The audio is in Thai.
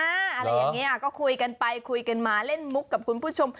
อะไรอย่างนี้ก็คุยกันไปคุยกันมาเล่นมุกกับคุณผู้ชม